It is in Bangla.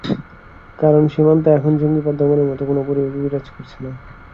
কারণ, সীমান্তে এখন জঙ্গিবাদ দমনের মতো কোনো পরিবেশ বিরাজ করছে না।